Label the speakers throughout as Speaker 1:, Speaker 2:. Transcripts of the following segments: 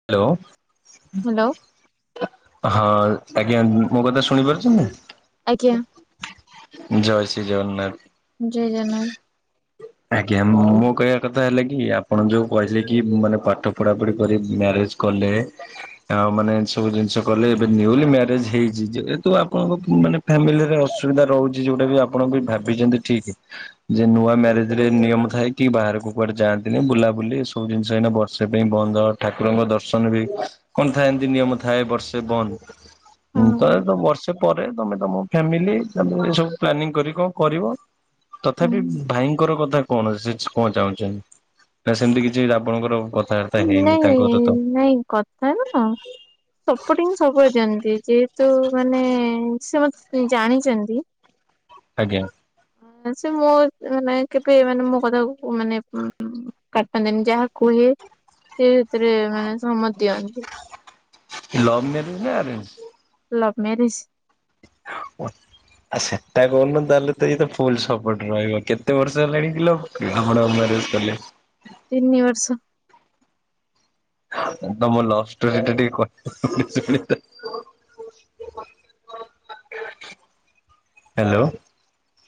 Speaker 1: Hello.
Speaker 2: Hello
Speaker 1: ହଁ ଆଜ୍ଞା ମୋ କଥା ଶୁଣିପାରୁଚନ୍ତି?
Speaker 2: ଆଜ୍ଞା।
Speaker 1: ଜୟ ଶ୍ରୀ ଜଗନ୍ନାଥ।
Speaker 2: ଜୟ ଜଗନ୍ନାଥ
Speaker 1: ଆଜ୍ଞା ମୋ କହିବା କଥା ହେଲା କି ଆପଣ ଯୋଉ କହିଲେ କି ମାନେ ପାଠ ପଢା ପଢି କରି ମ୍ୟାରେଜ୍ କଲେ ଆଉ ମାନେ ଏ ସବୁ ଜିନିଷ କଲେ ଏବେ ନ୍ୟୁଲି ମ୍ୟାରେଜ ହେଇଚି ଯେହେତୁ ଆପଣଙ୍କ ମାନେ ଫ୍ୟାମିଲିରେ ଅସୁବିଧା ରହୁଚି ଯୋଉଟା ବି ଆପଣ ବି ଭାବିଚନ୍ତି ଠିକ। ଯେ ନୂଆ ମ୍ୟାରେଜ ରେ ନିୟମ ଥାଏ କି ବାହାରକୁ କୁଆଡେ ଯାଆନ୍ତିନି ବୁଲାବୁଲି ସବୁିନିଷ ଏଇନା ବ ର୍ଷେ ପାଇଁ ବନ୍ଦ ଠାକୁରଙ୍କ ଦର୍ଶନ ବି କଣ ଥାଏ ଏମତି ନିୟମ ଥାଏ ବର୍ଷେ ବନ୍ଦ। ହଁ ତହ ତ ବର୍ଷେ ପରେ ତମେ ତମ ଫ୍ୟାମିଲି ଏ ସବୁ ପ୍ଲାନିଂ କର କଣ କରିବ।
Speaker 2: ହୁଁ
Speaker 1: ତଥାପି ଭାଇ ର କଥା କଣ ଅ ସେ କଣ ଚାହୁଁଚନ୍ତି ନା ସେମିତି କିଛି ଆପଣଙ୍କର କଥାବାର୍ତ୍ତା ହେଇନି।
Speaker 2: ନାଇଁ
Speaker 1: ତାଙ୍କର ତ
Speaker 2: ନାଇଁ କଥା ନ ସପୋର୍ଟିଂ ସବୁବେଳେ ଦିଅନ୍ତି ଯେହେତୁ ମାନେ ସେ ମତେ ଜାଣିଚନ୍ତି।
Speaker 1: ଆଜ୍ଞା।
Speaker 2: ସେ ମୋ ମାନେ କେବେ ମାନେ ମୋ କଥାକୁ ମାନେ କାଟନ୍ତିନି। ଯାହା କୁହେ ସେ ସେଥିରେ ମାନେ ସମତ ଦିଅନ୍ତି।
Speaker 1: ଲବ୍ ମ୍ୟାରେଜ ନା ଆରେଞ୍ଜ?
Speaker 2: Love marriage.
Speaker 1: ହ ଆଉ ସେଟା କୁନୁ ତାହେଲେ ତ ଏତ ଫୁଲ ସପୋର୍ଟ ରହିବ କେତେ ବର୍ଷ ହେଲାଣି କିଲ ଅମାଡ ମାରେଜ୍ କଲେ।
Speaker 2: ତିନି ବର୍ଷ।
Speaker 1: ତମ ଲଭ ଷ୍ଟୋରି ଟା ଟିକେ କହିବ [unintelligible] ହ୍ୟାଲୋ।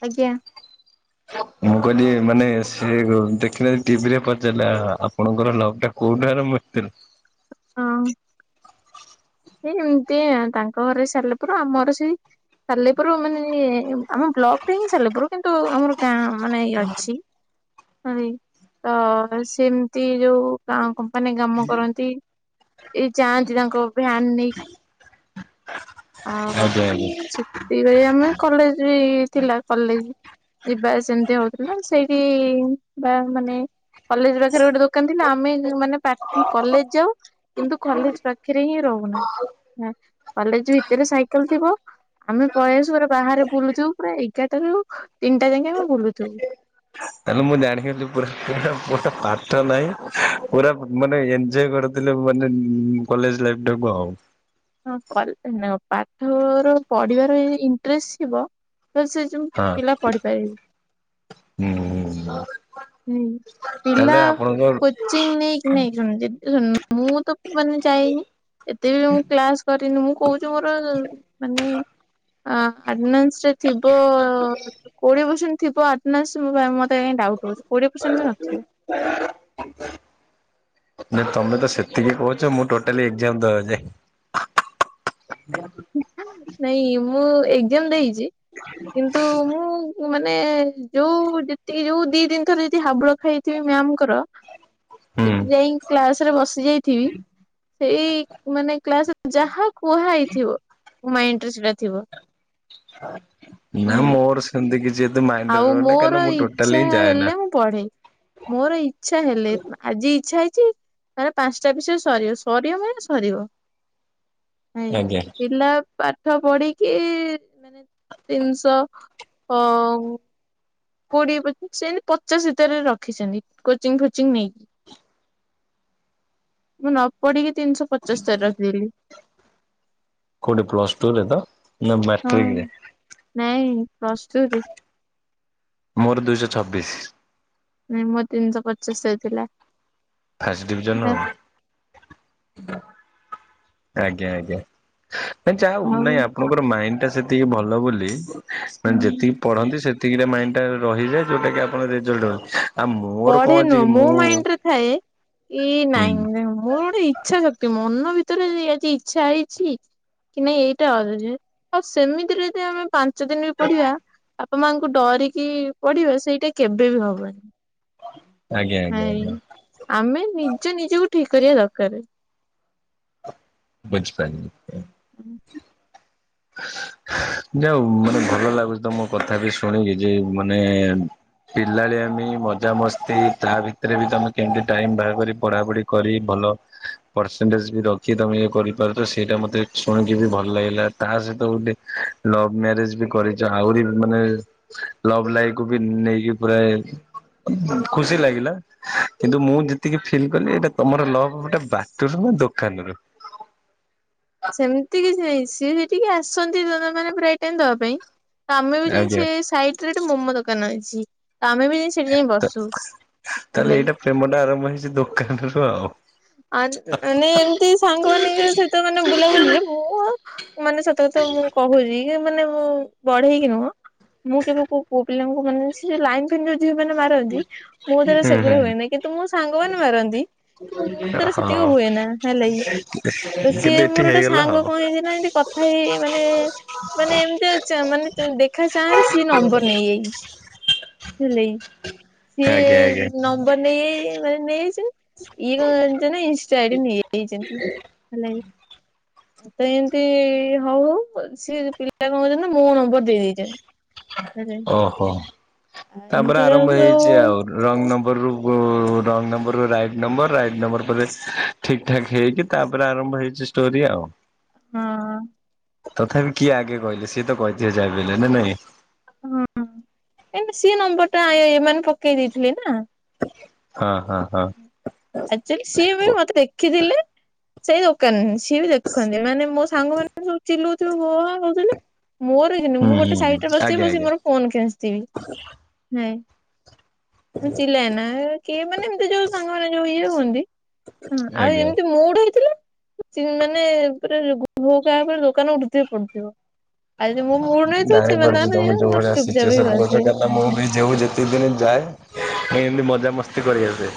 Speaker 2: ଆଜ୍ଞା।
Speaker 1: ମୁଁ କହିଲି ମାନେ ସେ ଗ ଦେଖିଲେ ଟିଭିରେ ପଚାରିଲା ଆପଣଙ୍କର ଲଭ ଟା କୋଉଠୁ ଆରମ୍ଭ ହେଇଥିଲା।
Speaker 2: ହଁ। ସେ ଏମିତି ତାଙ୍କ ଘରେ ସାରିଲା ପରେ ଆମର ସେଇ ସାଲେପୁର ମାନେ ଆମ ବ୍ଲକ ଟା ହିଁ ସାଲେପୁର କିନ୍ତୁ ଆମର ଗାଁ ମାନେ ଇ ଅଛି ତ ସେମିତି ଯୋଉ ଗାଁ କମ୍ପାନୀ କାମ କରନ୍ତି ଏଇ ଯାଆନ୍ତି ତାଙ୍କ ଭ୍ୟାନ୍ ନେଇ ଅ
Speaker 1: ଆଜ୍ଞା ଆଜ୍ଞା।
Speaker 2: ସେତିବେଳେ ଆମେ କଲେଜ ବି ଥିଲା କଲେ ଯିବା ସେମିତି ହଉଥିଲା ନା ସେଇଠି ବା ମାନେ କଲେଜ ପାଖରେ ଗୋଟେ ଦୋକାନ ଥିଲା ଆମେ ମାନେ ପା କଲେଜ ଯାଉ କିନ୍ତୁ କଲେଜ ପାଖେ ରେ ହିଁ ରହୁନା ହୁ କଲେଜ ଭିତରେ ସାଇକେଲ ଥିବ ଆମେ ପଳେଇ ଆସୁ ପୁରା ବାହାରେ ବୁଲୁଥିବୁ ପୁରା ଏଗାର ଟା ରୁ ତିନିଟା ଯାକେ ଆମେ ବୁଲୁଥିବୁ।
Speaker 1: ତାଲେ ମୁଁ ଜାଣିଥିଲି ପୁରା ପୁରା ପାଠ ନାହିଁ ପୁରା ମାନେ ଏଞଜୟ କରି ଥିଲେ ମାନେ କଲେଜ ଲାଇଫ ଟାକୁ ଆଉ।
Speaker 2: ହଁ କଲେ ନା ପାଠର ପଢିବାର ଇଣ୍ଟରେଷ୍ଟ ଥିବ ତ ସେ ଯୋଉ ପିଲା
Speaker 1: ହଁ
Speaker 2: ପଢିପାରିବେ
Speaker 1: ହୁଁ ହୁଁ।
Speaker 2: ହୁଁ ପିଲା
Speaker 1: ତାହେଲେ ଆପଣଙ୍କ
Speaker 2: କୋଚିଂ ନେଇକି ନାଇଁ ଶୁଣ [unintelligible] ମୁଁ ତ ମାନେ ଯାଇନି ଏତେ ବି ମୁଁ କ୍ଲାସ କରିନି ମୁଁ କହୁ ତୁ ମୋର ମନେ ଆ ଆଟେନାନ୍ସ୍ ରେ ଥିବ କୋଡିଏ ପର୍ସେଣ୍ଟ ଥିବ ଅଟେନାନ୍ସ ମତେ କାଇଁ ଡାଉଟୁ ହଉଚି। କୋଡ଼ିଏ ପରସେଣ୍ଟ ବି ନଥିବ।
Speaker 1: [unintelligible] ନାଇଁ ତମେ ତ ସେତିକି କହୁଚ ମୁଁ ଟୋଟାଲି ଏକ୍ଜାମ ଦେବାକୁ ଯାଇନି।
Speaker 2: ନାଇଁ ମୁଁ ଏଜାମ ଦେଇଚି। କିନ୍ତୁ ମୁଁ ମାନେ ଯୋଉ ଯେତିକି ଯୋଉ ଦି ତିନି ଥର ଯଦି ହାବୁଳ ଖାଇ ଚି ମ୍ୟାମଙ୍କର
Speaker 1: [inaudible]
Speaker 2: ଜଦି ଯାଇ କ୍ଲାସ ରେ ବସି ଯାଇଥିବି ସେଇ ମାନେ କ୍ଲାସରେ ଯାହା କୁହା ହେଇଥିବ ମାଇଣ୍ଡ ରେ ସେଟା ଥିବ।
Speaker 1: ନା
Speaker 2: ନାଇଁ
Speaker 1: ମୋର ସେମିତି କିଛି ଏତେ ମାଇଣ୍ଡରେ ରୁହେନା କାଁ କି ମୁଁ ଟୋଟାଲି ହିଁ ଯାଏ ନା।
Speaker 2: ପଢ଼େ। ମୋର ଇଚ୍ଛା ହେଲେ ଆଜି ଇଚ୍ଛା ହେଇଚି ମାନେ ପାଞ୍ଚଟା ବିଷୟ ସରିବ ସରିବ ମାନେ ସରିବ।
Speaker 1: [inaudible]
Speaker 2: ନାଇଁ ପିଲା ପାଠ ପଢିକି ତିନିଶ ଅ କୋଡିଏ ପଚିସ ଏମିତି ପଚାଶ ଭିତରେ ରଖିଚନ୍ତି କୋଚିଂ ଫୋଚିଂ ନେଇକି। ମୁଁ ନ ପଢିକି ତିନିଶହ ପଞ୍ଚସ୍ତରୀ ରଖି ଦେଲି।
Speaker 1: କୋଉଠି ପ୍ଲସ୍ ଟୁ ରେ ତ ନା
Speaker 2: ହଁ।
Speaker 1: ମାଟ୍ରିକ ରେ।
Speaker 2: ନାଇଁ ପ୍ଲସ୍ ଟୁ ରେ।
Speaker 1: ମୋର ଦୁଇଶହ ଛବିଶ।
Speaker 2: ନାଇଁ ମୋର ତିନିଶହ ପଞ୍ଚସ୍ତରୀ ଥିଲା।
Speaker 1: ଫାଷ୍ଟ୍ ଡିଭିଜନ ଆଉ। ଆଜ୍ଞା, ଆଜ୍ଞା ନାଇଁ ଯାହା
Speaker 2: ଆଉ
Speaker 1: ନାଇଁ ଆପଣଙ୍କର ମାଇଣ୍ଡ ଟା ସେତିକି ଭଲ ବୋଲି ମାନେ
Speaker 2: ହୁଁ,
Speaker 1: ଯେତିକି ପଢନ୍ତି ସେତିକି ମାଇଣ୍ଡ ଟା ରହିଯାଏ ଯୋଉଟା କିି ଆପଣ ରେଜଲ୍ଟ ହନ୍ତି।
Speaker 2: ପଢେ ନୁହଁ ମୋ ମାଇଣ୍ଡରେ ଥାଏ କି
Speaker 1: ହୁଁ
Speaker 2: ନାଇଁ ମୁ ଇଚ୍ଛା ଶକ୍ତି ମନ ଭିତରେ ଆଜି ଇଚ୍ଛା ହେଇଛି କି ନାଇଁ ଏଇଟା ଆସୁଛି ଆଉ ସେମିତିରେଦ ଆମେ ପାଞ୍ଚ ପାଞ୍ଚଦିନ ବି ପଢିବା ବାପା ମାଙ୍କୁ ଡରିକି ପଢିବା ସେଇଟା କେବେ ବି ହବନି।
Speaker 1: ଆଜ୍ଞା ଆଜ୍ଞା
Speaker 2: ନାଇଁ
Speaker 1: ଆଜ୍ଞା
Speaker 2: ଆମେ ନିଜ ନିଜକୁ ଠିକ କରିବା ଦରକାର।
Speaker 1: ବୁଝିପା
Speaker 2: ହୁଁ।
Speaker 1: ଯାଉ ମାନେ ଭଲ ଲାଗୁଛି ତ ମୁଁ କଥା ବି ଶୁଣିକି ଯେ ମାନେ ପିଲାଳିଆମି ମଜାମସ୍ତି ତା ଭିତରେ ବି ତମେ କେମତି ଟାଇମ ବାହାର କରି ପଢାପଢି କରି ଭଲ ପରସେଣ୍ଟେଜ ବି ରଖି ତମେ ଇଏ କରିପାରୁଛ ସେଇଟା ମତେ ଶୁଣିକି ବି ଭଲ ଲାଗିଲା। ତା ସହିତ ଗୋଟେ ଲଭ ମ୍ୟାରେଜ ବି କରିଚ ଆହୁରି ମାନେ ଲଭ ଲାଇଫ କୁ ବି ନେଇକି ପୁରା ଖୁସି ଲାଗିଲା। କିନ୍ତୁ ମୁଁ ଯେତିକି ଫିଲ୍ କଲି ଏଇଟା ତମର ଲଭ ଗୋଟେ ବାଟରୁ ନା ଦୋକାନ ରୁ?
Speaker 2: ସେମିତି କିଛି ନାଇଁ ସିଏ ସେଠିକି ଆସନ୍ତି ଜନ ମାନେ ପ୍ରାଏ ଟାଇମ ଦବା ପାଇଁ। ଆମେ ବି
Speaker 1: ଆଜ୍ଞା
Speaker 2: ଜାଇଚି ସାଇଟ ରେ ଗୋଟେ ମୋମୋ ଦୋକାନ ଅଛି ତମେ ବି ଏ ସେଠି ଯାଇ ବସୁ ହେ ଲାଗି।
Speaker 1: ପ୍ରେମଟା ଆରମ୍ଭ ହେଇଚି ଦୋକାନରୁୁ ଆଉ।
Speaker 2: ଆ ମାନେ ଏମିତି ସାଙ୍ଗମାନେଙ୍କ ସହିତ ମାନେ ବୁଲାବୁଲିରେ ମୁଁ ମାନେ ସତ କଥା ମୁଁ କହୁଜି। ଟ ମାନେ ବଢେଇକି ନୁହଁ ମୁଁ କେବେ କୋଉ ପୁଅ ପିଲାଙ୍କୁ ମାନେ ଲାଇନ୍ ଯ ଝିଅ ମାନେ ମାରନ୍ତି ମୁଁ ତର
Speaker 1: ହୁଁ
Speaker 2: ସେଗୁଡା
Speaker 1: ହୁଁ
Speaker 2: ହୁଏନି କିନ୍ତୁ ମୋ ସାଙ୍ଗମାନେ ମାରନ୍ତି। ମୋ ତରେ ସେତିକି
Speaker 1: ହଁ
Speaker 2: ହୁଏ ନା ହେଲେ କିି ତ ସିଏ
Speaker 1: କିନ୍ତୁ ଏଠି
Speaker 2: ମୋର ଗୋଟେ
Speaker 1: ହେଇଗଲା
Speaker 2: ସାଙ୍ଗ
Speaker 1: ଆଉ
Speaker 2: କଣ ନା କଥା ହେଇ ହେଇ ମାନେ ମାନେ ଏମିତି ମାନେ ଦେଖା ଚାଁରେ ସିଏ ନମ୍ବର ନେଇଯାଇଚି। ସିଏ
Speaker 1: ଆଜ୍ଞା ଆଜ୍ଞା
Speaker 2: ନମ୍ବର ନେଇଯାଇ ମାନେ ନେଇଯାଇଛି। ଇଏ କଣ ନା ଇଷ୍ଟା ଆଡ ନେଇଯାଇଚନ୍ତି ଭଲା ତ ଏମିତି ହଉ ସିଏ ପିଲା କଣ କହୁଚନ୍ତି ନା ମୋ ନମ୍ବର ଦେଇ ଦେଇଚନ୍ତି। [inaudible]
Speaker 1: ଓହୋ ତାପରେ
Speaker 2: ଏମିତି
Speaker 1: ଆରମ୍ଭ
Speaker 2: ଯୋଉ
Speaker 1: ହେଇଛି ଆଉ ରଙ୍ଗ
Speaker 2: ହଁ
Speaker 1: ନମ୍ବରରୁୁ wrong number right number right number ପରେ ଠିକ୍ ଠାକ୍ ହେଇକି ତାପରେ ଆରମ୍ଭ ହେଇଚି ଷ୍ଟୋରି ଆଉ।
Speaker 2: ହଁ।
Speaker 1: ତଥାପି କିଏ ଆଗେ କହିଲେ ସିଏ ତ କହିଥିବେ ଯାଇ ନା ନାଇଁ?
Speaker 2: ହଁ ଏ ସିଏ ନମ୍ବର ଟା ଏମାନେ ପକେଇ ଦେଇଥିଲେ ନା।
Speaker 1: ହଁ, ହଁ, ହଁ।
Speaker 2: ଆକ୍ଚ୍ୟାଲି ସିଏ ବି ମତେ ଦେଖିଥିଲେ ସେଇ ଦୋକାନ ସିଏ ବି ଦେଖନ୍ତି ମାନେ ମୋ ସାଙ୍ଗ ମାନେ ସବୁ ଚିଲଉଥିବେ ହୋ ହା ହଉଥିଲେ। ମୋର ଦେଖିନି ମୁଁ
Speaker 1: ହୁଁ
Speaker 2: ଗୋଟେ
Speaker 1: ହୁଁ ହୁଁ
Speaker 2: ସାଇଟରେ ବସି
Speaker 1: ଆଜ୍ଞା
Speaker 2: ବସି
Speaker 1: ଆଜ୍ଞା
Speaker 2: ମୋର ଫୋନ କିଞ୍ଚଥିବି। ହୁଁ। ବୁଝିଲେ ନା କିଏ ମାନେ ଏମିତି ଯୋଉ ସାଙ୍ଗମାନେ ଯୋଉ ଇଏ ହୁଅନ୍ତି ହଁ ଆଉ
Speaker 1: ଆଜ୍ଞା।
Speaker 2: ଏମିତି ମୁଡ ହେଇଥିଲା ଚି ମାନେ ତାପରେ ଭୋଗାବା ପରେ ଦୋକାନ ଉଠୁଥିବ ପଡୁଥିବ। ଆଜି ମୋ ମୁଡ୍ ନଥିବ ସେମାନେ ତାଙ୍କର ମୋର ଚୁପଚାପ ହେଇ ବସିବି।
Speaker 1: ନା ମୁଁ ବି ଯେଉଁ ଯେତିକି ଦିନ ଯାଏ ମୁଁ ଏମିତି ମଜାମସ୍ତି କରିଆସେ।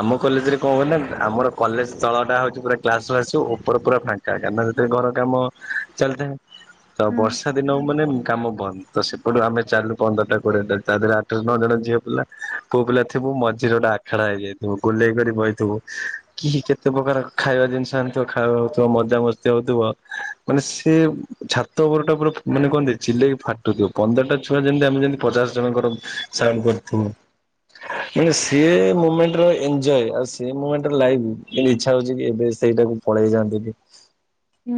Speaker 1: ଆମ କଲେଜରେ କଣ ହୁଏ ନା ଆମର କଲେଜ ସ୍ଥଳ ଟା ହଉଛି ପୁରା କ୍ଲାସ ଫ ଆସ ଉପର ପୁରା ଫା କା କାନା ରେ ଟିକେ ଘର କାମ ଚାଲିଥାଏ ତ
Speaker 2: ହଁ
Speaker 1: ବର୍ଷା ଦିନ ମାନେ କାମ ବନ୍ଦ। ତ ସେପଟୁ ଆମେ ଚାଲୁ ପନ୍ଦରଟା, କୋଡିଏ ଟା ତା ଦେହରେ ଆଠ, ନଅ ଜଣ ଝିଅ ପିଲା କୋଉ ପିଲା ଥିବୁ ମଝିରେ ଗୋଟେ ଆ ଖେଡା ହେଇଯାଇଥିବୁ ଗୁଲେଇ କରି ବହିଥିବ କି କେତେ ପ୍ରକାର ଖାଇବା ଜିନିଷ ଆଣିଥିବ ଖାଇବା ହଉଥିବ ମଜା ମସ୍ତି ସେ ହେଉଥିବ ମାନେ ସେ ଛା ତ ଉପରଟା ପୁରା ମାନେ କଣ କୁହନ୍ତି ଚିଲେଇକି ଫାଟୁଥିବ ପନ୍ଦରଟା ଛୁଆ ଯେମିତି ଆମେ ଯେମିତି ପଚାଶ ଜଣଙ୍କର ସାଉଣ୍ଡ କରୁ ଥିବ। ମାନେ ସିଏ ମୁମେଣ୍ଟର ଏନଜୟ ଆଉ ସେ ମୁମେଣ୍ଟର ଲାଇଫ ଯେମିତିକି ଇଛା ହଉଛି କି ଏବେ ସେ ସେଇଟାକୁ ପଳେଇ ଯାଆନ୍ତି କି?
Speaker 2: ହୁଁ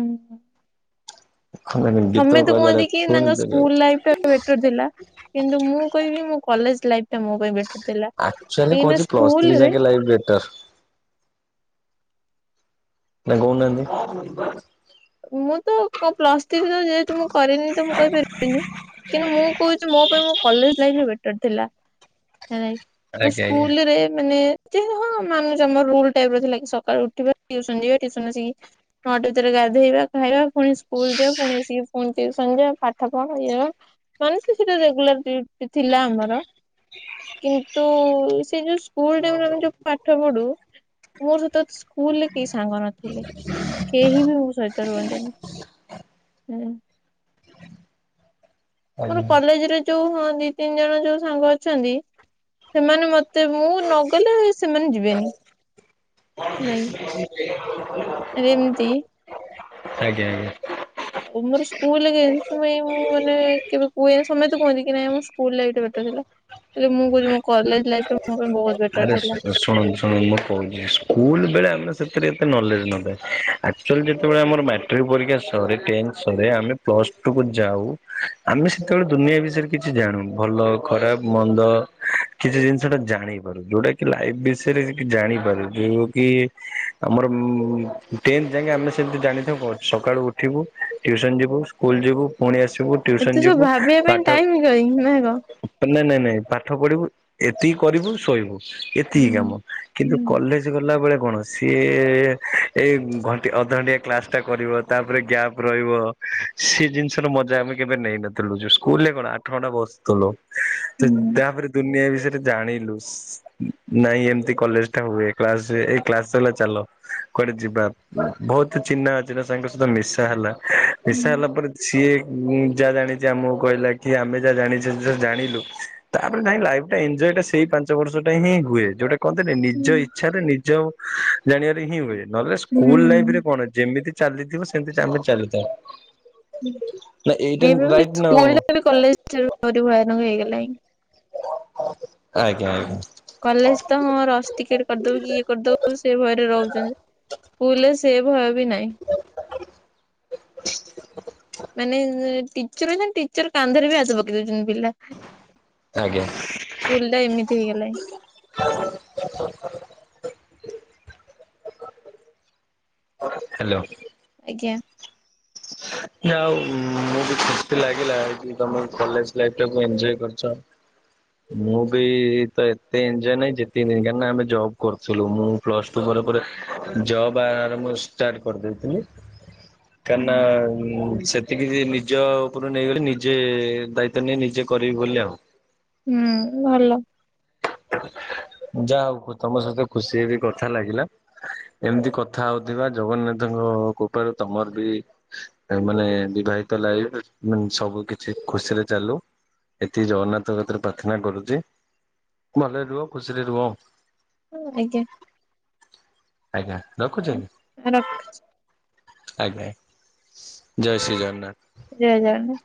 Speaker 1: ଗୀତ
Speaker 2: ସମତେ
Speaker 1: କହିଲା ବେଳେ
Speaker 2: କୁହନ୍ତି କି ତାଙ୍କ
Speaker 1: ପୁଣି
Speaker 2: ସ୍କୁଲ ଲାଇଫ ଟା ବେଟର ଥିଲା କିନ୍ତୁ ମୁଁ କହିବି ମୋ କଲେଜ ଲାଇଫ ଟା ମୋ ପାଇଁ ବେଟର ଥିଲା।
Speaker 1: ଆକ୍ଚୁଆଲି
Speaker 2: କାହିଁକିନା
Speaker 1: କୁହୁଛି ପ୍ଲସ୍ ଥ୍ରୀ
Speaker 2: ସ୍କୁଲରେ
Speaker 1: ଯାକେ ଲାଇଫ୍ ବେଟର୍। ନା କହୁ ନାହାନ୍ତି?
Speaker 2: ମୁଁ ତ କ ପ୍ଲସ ଥ୍ରୀ ଯେ ଯେହେତୁ ମୁଁ କରିନି ତ ମୁଁ କହିପାରିବିନି। କିନ୍ତୁ ମୁଁ କହୁଛି ମୋ ପାଇଁ ମୋ କଲେଜ ଲାଇଫ ରେ ବେଟ ବେଟର ଥିଲା [unintelligible]
Speaker 1: ଆଜ୍ଞା
Speaker 2: ସ୍କୁଲରେ ମାନେ ଯେ ହଁ ମାନୁଚୁ ଆମ ରୁଲ ଟାଇପ ର ଥିଲା କି ସକାଳୁ ଉଠିବା ଟୁସନ ଯିବା ଟ୍ୟୁସନ୍ ରୁ ଆସିକି ନଅଟା ଭିତରେ ଗାଧୋଇବା ଖାଇବା ପୁଣି ସ୍କୁଲ ଯିବା ପୁଣି ଆସିକି ଫୋନ୍ ଟ୍ୟୁସନ୍ ଯିବା ପାଠ ପଢ ଇଏ କର ମାନେ ସେଟା ରେଗୁଲାର ଡ୍ୟୁଟି ଥିଲା ଆମର। କିନ୍ତୁ ସେ ଯୋଉ ସ୍କୁଲ ଟାଇମ ରୁ ଆମେ ଯୋଉ ପାଠ ପଢୁ ମୋ ସହିତ ସ୍କୁ ସ୍କୁଲରେ କେହି ସାଙ୍ଗ ନଥିଲେ କେହି ବି ମୋ ସହିତ ରୁହନ୍ତିନି ହୁଁ। ମୋର
Speaker 1: ଆଜ୍ଞା ଆଜ୍ଞା
Speaker 2: କଲେଜ ରେ ଯୋଉ ହଁ ଦି ତିନି ଜଣ ଯୋଉ ସାଙ୍ଗ ଅଛନ୍ତି ସେମାନେ ମତେ ମୁଁ ନଗଲେ ସେମାନେ ଯିବେନି ନାଇଁ। ରେ ଏମିତି
Speaker 1: ଆଜ୍ଞା ଆଜ୍ଞା।
Speaker 2: ଆଉ ମୋର ସ୍କୁଲ ତ ମୁଁ ମାନେ କେବେ କୁହେନି ସମୟେ ତ କୁହନ୍ତି କି ନାଇଁ ଆମ ସ୍କୁଲ ରେ ଏଇଟା ବେଟର ଥିଲା। ହେ ମୁଁ କହୁଛି ମୋ କଲେଜ ଲାଇଫ ଟା ମୋ ପାଇଁ ବହୁତ ବେଟର ଥିଲା।
Speaker 1: [unintelligible] ଶୁଣ ଶୁଣ ମୁଁ କହୁଛି ସ୍କୁଲ ବେଳେ ଆମେ ସେଥିରେ ଏତେ ନଲେଜ୍ ନେବେ ଆ ଆଚୁଆଲି ଯେତେବେଳେ ଆମର ମାଟ୍ରିକ ପରୀକ୍ଷା ସରେ ଟେନ୍ ସରେ ଆମେ ପ୍ଲସ୍ ଟୁକୁ ଯାଉ ଆମେ ସେତେବେଳେ ଦୁନିଆ ବିଷୟରେ କିଛି ଜାଣୁ ଭଲ ଖରାପ ମନ୍ଦ କିଛି ଜିନିଷ ଟା ଜାଣିବା। ଯୋଉଟା କି ଲାଇଫ୍ ବିଷୟରେ ଜାଣିପାରୁ ଯୋଉ କି ଆମର ମ ଟେନଥ ଯାଙ୍କେ ଆମେ ସେମିତି ଜାଣିଥାଉୁ ସକାଳୁ ଉଠିବୁ ଟ୍ୟୁସନ୍ ଯିବୁ ସ୍କୁଲ ଯିବୁ ପୁଣି ଆସିବୁ। ଟ୍ୟୁସନ୍
Speaker 2: ଏତେ ସବୁ
Speaker 1: ଯିବୁ
Speaker 2: ଭାବିବା ପାଇଁ
Speaker 1: ପାଠ
Speaker 2: ଟାଇମ କାଇଁ ନା କଣ?
Speaker 1: ନାଇଁ ନାଇଁ ନାଇଁ ପାଠ ପଢିବୁ ଏତିକି କରିବୁ ଶୋଇବୁ ଏତିକି କାମ
Speaker 2: ହୁଁ
Speaker 1: କିନ୍ତୁ କଲେଜ ଏମିତି ଗଲା ବଳେ କଣ ସିଏ ଏଇ ଘଣ୍ଟେ ଅଧଘଣ୍ଟେ କ୍ଲାସ ଟା କରିବ ତାପରେ ଗ୍ୟାପ ରହିବ ସେ ଜିନିଷର ମଜା ଆମେ କେବେ ନେଇନଥିଲୁ ଯୋ ସ୍କୁଲରେ କଣ ଥଣ୍ଡା ବସୁଥିଲୁ ତ
Speaker 2: ହୁଁ
Speaker 1: ଯାହାପରେ ଦୁନିଆ ବିଷୟରେ ଜାଣିଲୁ ନାଇଁ ଏମିତି କଲେଜ ଟା ହୁଏ କ୍ଲାସ ଏଇ କ୍ଲାସ ହେଲା ଚାଲ। କୁଆଡେ ଯିବା ବୋହୁତୁ ଚିହ୍ନା ଅଛିିନା ସାର୍ ଙ୍କ ସହ ମିଶା ହେଲା।
Speaker 2: ହୁଁ
Speaker 1: ମିଶା ହେଲା ପରେ ସିଏ ମୁଁ ଯାଆ ଜାଣିଚି ଆମୁକୁ କହିଲା କି ଆମେ ଯାଆ ଜାଣିଚୁ ତୁ ଜାଣିଲୁ। ତାପରେ ନାଇଁ ଲାଇଫ ଟା ଏଞ୍ଜୟ ଟା ସେଇ ପାଞ୍ଚ ପାଞ୍ଚ ବର୍ଷଟା ହିଁ ହୁଏ ଯୋଉଟା କହନ୍ତିନି ନିଜ ଇଚ୍ଛାରେ ନିଜ ଜାଣିବାରେ ହିଁ ହୁଏ। ନହେଲେ ସ୍କୁଲ୍ ଲାଇଫ୍ ରେ
Speaker 2: ହୁଁ।
Speaker 1: କଣ ଯେମିତି ଚାଲିଥିବ ସେମତି ଚାହିଁଲେ ଚାଲିଥିବ।
Speaker 2: ଏଇ ଖୁଣାବି ସ୍କୁଲ୍ ଟା ବି କଲେଜ୍ ଠାରୁ ଆହୁରି ଭୟାନକ ହେଇଗଲାଇଁ।
Speaker 1: ଆଜ୍ଞା ଆଜ୍ଞା।
Speaker 2: କଲେଜ୍ ତ ହଁ ରସ୍ ଟିକେଟ୍ କରିଦୋଉ କି ଇଏ କରିଦୋଉ ସେ ଭୟରେ ରୋହୁଛନ୍ତି। ସ୍କୁଲ୍ ରେ ସେ ଭୟ ବି ନାଇଁ।
Speaker 1: [inaudible]
Speaker 2: ମାନେ ଟିଚର ଏଇଖୁଣା ଟିଚର କାନ୍ଧରେ ବି ହାତ ପକେଇ ଦୋଉଚନ୍ତି ପିଲା।
Speaker 1: ଆଜ୍ଞା।
Speaker 2: ସ୍କୁଲ ଟା ଏମିତି ହେଇଗଲାଣି
Speaker 1: [inaudible] ହ୍ୟାଲୋ।
Speaker 2: ଆଜ୍ଞା।
Speaker 1: ମୁଁ କଇନି ଆଉ ମୁଁ ବି ଖୁସି ଲାଗିଲା ଯେ ତମେ କଲେଜ ଲାଇଫ୍ ଟା କୁ ଏଞ୍ଜୟ କରିଛ। ମୁଁ ବି ତ ଏତେ ଏଞ୍ଜୟ ନାହିଁ ଯେତିକ ଦିନ୍ କାଇଁନା ଆମେ ଜବ୍ କରୁଥୁଲୁ ମୁଁ ପ୍ଲସ୍ ଟୁ ପରେ ପରେ ଜବ୍ ଆରମ୍ଭ ଷ୍ଟାର୍ଟ କରିଦେଇଥିଲି। କାଇଁନା
Speaker 2: ହୁଁ
Speaker 1: ସେତିକି ଯେ ନିଜ ଉପୁରୁ ନେଇଗଲି ନିଜେ ଦାୟିତ୍ୱ ନେଇ ନିଜେ କରିବି ବୋଲି ଆଉ।
Speaker 2: ହୁଁ ଭଲ।
Speaker 1: ଯାଆହୋଉ ଖୁ ତମ ସହିତ ଖୁସି ହେଇକି କଥା ଲାଗିଲା। ଏମ୍ତି କଥା ହୋଉଥିବା ଜଗନ୍ନାଥଙ୍କ କୃପାରୁ ତମର ବି ଏ ମାନେ ବିବାହିତ ଲାଇଫ୍ ମାନେ ସବୁ କିଛି ଖୁସିରେ ଚାଲୁ। ଏତିକି ଜଗନ୍ନାଥ କତିରେ ପ୍ରାର୍ଥନା କରୁଚି। ଭଲ ରେ ରୁହ ଖୁସିିରେ ରୁହଉ।
Speaker 2: ଆଜ୍ଞା।।
Speaker 1: ଆଜ୍ଞା। ରଖୁଛି ଆଜ୍ଞା।
Speaker 2: ରଖ
Speaker 1: ଆଜ୍ଞା। ଜୟ ଶ୍ରୀରାମ୍ ନାଥ୍।
Speaker 2: ଜୟ ଜଗନ୍ନାଥ୍